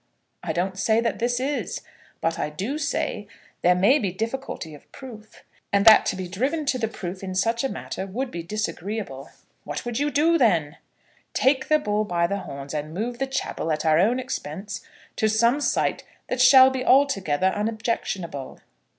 "I don't say that this is but I do say that there may be difficulty of proof; and that to be driven to the proof in such a matter would be disagreeable." "What would you do, then?" "Take the bull by the horns, and move the chapel at our own expense to some site that shall be altogether unobjectionable."